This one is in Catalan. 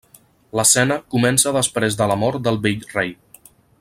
L'escena comença després de la mort del vell rei.